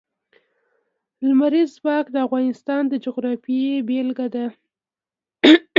لمریز ځواک د افغانستان د جغرافیې بېلګه ده.